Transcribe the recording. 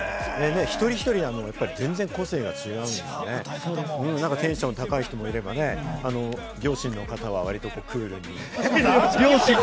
一人一人、全然個性も違うからね、テンション高い人もいればね、良心の方はクールに。